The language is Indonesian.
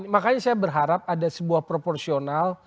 makanya saya berharap ada sebuah proporsional